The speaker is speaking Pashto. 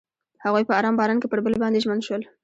هغوی په آرام باران کې پر بل باندې ژمن شول.